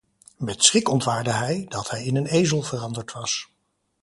Met schrik ontwaarde hij, dat hij in een ezel veranderd was.